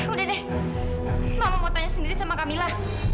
udah deh mama mau tanya sendiri sama kamila